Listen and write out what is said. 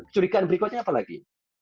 curigaan berikutnya apa lagi